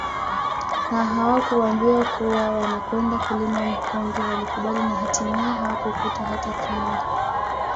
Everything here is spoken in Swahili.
Na hawakuambiwa kuwa wanakwenda kulima mkonge walikubali na hatimaye hawakukuta hata kimoja